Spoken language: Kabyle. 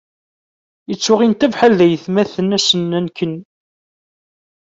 Ittuɣ-int abḥal d ayetmaten ass-n anken.